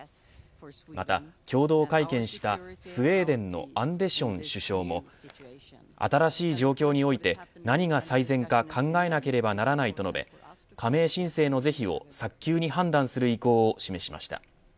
また、共同会見したスウェーデンのアンデション首相も新しい状況において何が最善か考えなければならないと述べ加盟申請の是非を早急に判断する意向を示しました。